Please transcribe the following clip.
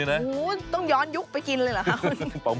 ต้องย้อนยุคไปกินเลยหรือคะคุณ